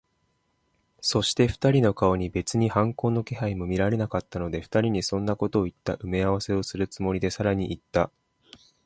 そして、二人の顔に別に反抗の気配も見られなかったので、二人にそんなことをいった埋合せをするつもりで、さらにいった。